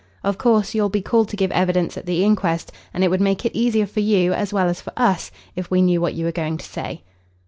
Of course, you'll be called to give evidence at the inquest, and it would make it easier for you as well as for us if we knew what you were going to say."